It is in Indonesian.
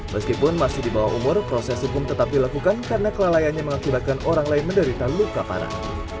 meskipun masih di bawah umur proses hukum tetap dilakukan karena kelalaiannya mengakibatkan orang lain menderita luka parah